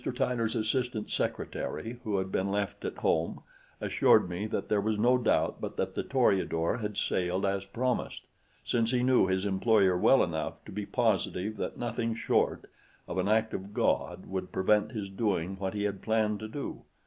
Tyler's assistant secretary, who had been left at home, assured me that there was no doubt but that the Toreador had sailed as promised, since he knew his employer well enough to be positive that nothing short of an act of God would prevent his doing what he had planned to do.